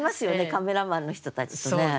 カメラマンの人たちとね。